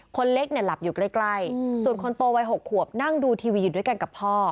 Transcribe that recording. คนเล็กเนี่ยหลับอยู่ใกล้ส่วนคนโตวัย๖ขวบนั่งดูทีวีอยู่ด้วยกันกับพ่อ